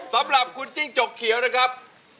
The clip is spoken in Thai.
สำหรับคุณจิ๊กจบเฉียวครับ